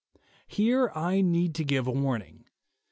Here I need to give a warning.